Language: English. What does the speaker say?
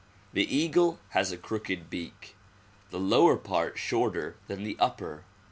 The eagle has a crooked beak; the lower part shorter than the upper.